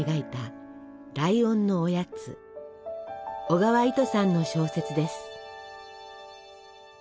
小川糸さんの小説です。